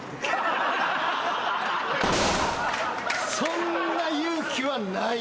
そんな勇気はない。